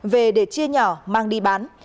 về để chia nhỏ mang đi bán